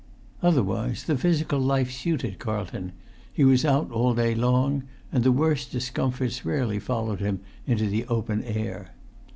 Otherwise the physical life suited Carlton; he was out all day long; and the worst discomforts rarely followed him into the open air.